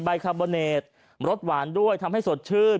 คาร์โบเนตรรสหวานด้วยทำให้สดชื่น